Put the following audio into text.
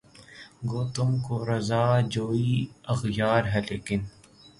گو تم کو رضا جوئیِ اغیار ہے لیکن